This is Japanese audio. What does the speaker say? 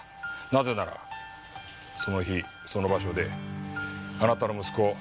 なぜならその日その場所であなたの息子